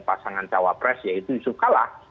pasangan cawapres yaitu yusuf kalah